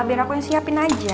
biar aku yang siapin aja